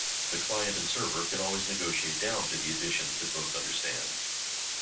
The client and server can always negotiate down to the additions that both understand.